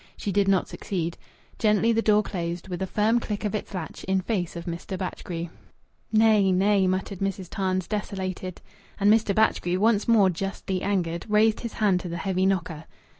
She did not succeed. Gently the door closed, with a firm click of its latch, in face of Mr. Batchgrew. "Nay, nay!" muttered Mrs. Tarns, desolated. And Mr. Batchgrew, once more justly angered, raised his hand to the heavy knocker.